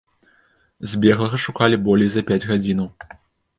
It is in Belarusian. Збеглага шукалі болей за пяць гадзінаў.